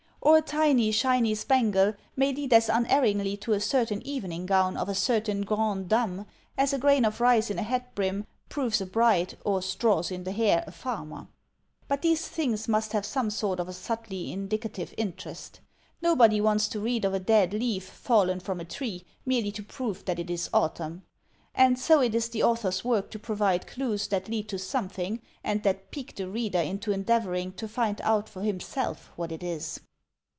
Or a tiny, shiny spangle may lead as unerringly to a certain evening gown of a certain grande dame, as a grain of rice in a hat brim proves a bride, or straws in the hair, a farmer. But these things must have some sort of a subtly indicative 264 THE TECHNIQUE OF THE MYSTERY STORY interest. Nobody wants to read of a dead leaf fallen from a tree, merely to prove that it is autumn. And so it is the author's work to provide clues that lead to something, and that pique the reader into endeavoring to find out for him self what it is.